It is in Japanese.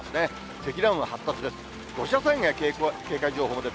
積乱雲発達です。